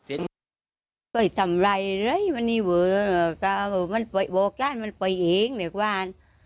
เอามาทำอะไรเลยก็คือมันโปรแก้นมันไปเองแหละบ้าน